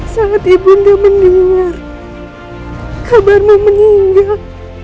saat ibunda mendengar kabarmu meninggal